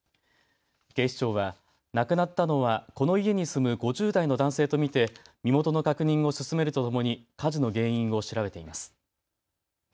警視庁は亡くなったのはこの家に住む５０代の男性と見て身元の確認を進めるとともに火事の原因を調べています。